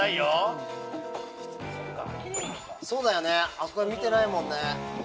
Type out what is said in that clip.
あそこは見てないもんね。